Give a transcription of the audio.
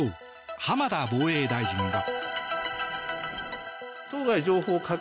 浜田防衛大臣は。